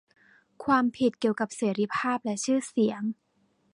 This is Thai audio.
ความผิดเกี่ยวกับเสรีภาพและชื่อเสียง